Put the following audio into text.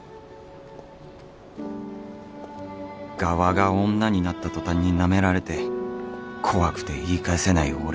ガワが女になった途端になめられて怖くて言い返せない俺